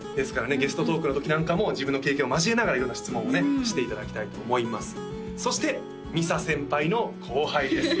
ゲストトークのときなんかも自分の経験を交えながら色んな質問をねしていただきたいと思いますそしてみさ先輩の後輩です